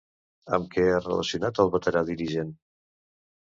Amb què ha relacionat el veterà dirigent?